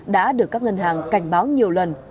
đã được các ngân hàng cảnh báo nhiều lần